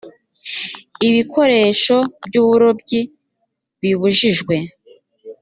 ibikoresho by uburobyi bibujijwe